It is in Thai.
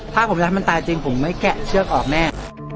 ถ้าผมจะทำให้มันตายจริงผมไม่แกะเชือกออกแน่